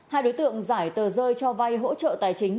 hai đối tượng giải tờ rơi cho vay hỗ trợ tài chính